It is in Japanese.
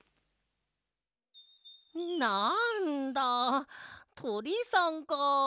なんだとりさんか。